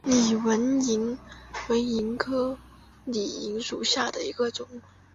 拟纹萤为萤科熠萤属下的一个种。